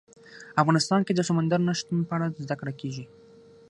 افغانستان کې د سمندر نه شتون په اړه زده کړه کېږي.